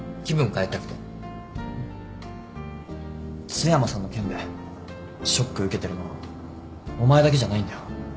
津山さんの件でショック受けてるのお前だけじゃないんだよ。